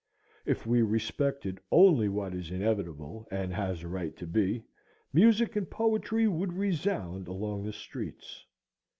If we respected only what is inevitable and has a right to be, music and poetry would resound along the streets.